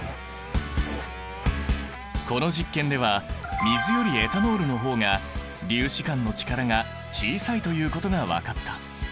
この実験では水よりエタノールの方が粒子間の力が小さいということが分かった。